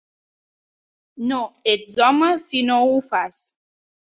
No ets home si no ho fas!